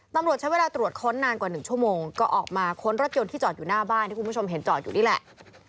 ตำรวจใช้เวลาตรวจค้นนานกว่า๑ชั่วโมงก็ออกมาค้นรถยนต์ที่จอดอยู่หน้าบ้านที่คุณผู้ชมเห็นจอดอยู่นี่แหละ